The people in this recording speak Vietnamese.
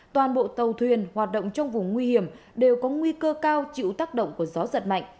toàn bộ tàu thuyền hoạt động trong vùng nguy hiểm đều có nguy cơ cao chịu tác động của gió giật mạnh